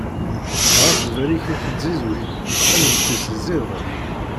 Ɣas berriket tzizwit, tament-is ẓidet.